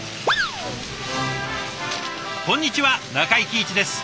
こんにちは中井貴一です。